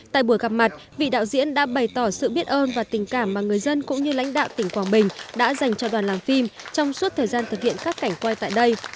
tại buổi gặp mặt vị đạo diễn đã bày tỏ sự biết ơn và tình cảm mà người dân cũng như lãnh đạo tỉnh quảng bình đã dành cho đoàn làm phim trong suốt thời gian thực hiện các cảnh quay tại đây